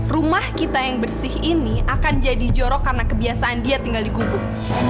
rumah kita yang bersih ini akan jadi jorok karena kebiasaan dia tinggal di gubuk